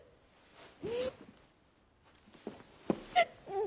うん。